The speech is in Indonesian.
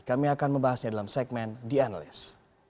kami akan membahasnya dalam segmen the analyst